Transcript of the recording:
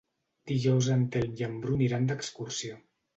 Dijous en Telm i en Bru aniran d'excursió.